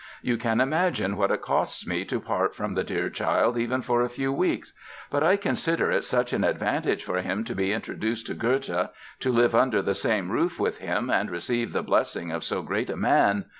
You can imagine what it costs me to part from the dear child even for a few weeks. But I consider it such an advantage for him to be introduced to Goethe, to live under the same roof with him and receive the blessing of so great a man!